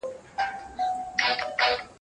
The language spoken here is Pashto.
زه بايد درس ولولم،